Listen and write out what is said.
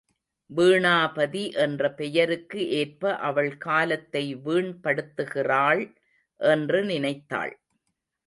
வீணாபதி என்ற பெயருக்கு ஏற்ப அவள் காலத்தை வீண்படுத்துகிறாள் என்று நினைத்தாள்.